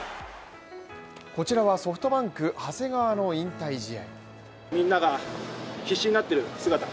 こちらはソフトバンク長谷川の引退試合